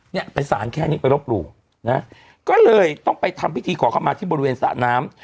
เนี่ยไปสารแค่นี้ไปรบหลู่นะก็เลยต้องไปทำพิธีขอเข้ามาที่บริเวณสระน้ำ